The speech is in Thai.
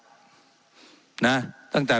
ว่าการกระทรวงบาทไทยนะครับ